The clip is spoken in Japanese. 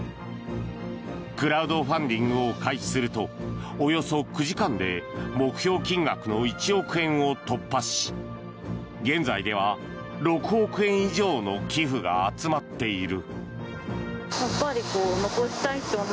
クラウドファンディングを開始するとおよそ９時間で目標金額の１億円を突破し現在では６億円以上の寄付が集まっている。